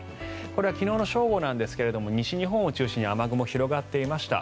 これは昨日の正午なんですが西日本を中心に雨雲が広がっていました。